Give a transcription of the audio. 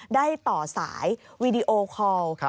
ได้ต่อสายวีดีโอคอล